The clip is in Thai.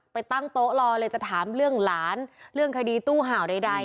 ไปตั้งโต๊ะรอเลยเดี๋ยวถามเรื่องหลานเรื่องคดีตู้เหล่าใดดัย